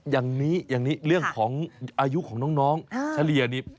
อย่างนี้เรื่องของอายุของน้องเฉลี่ยนี้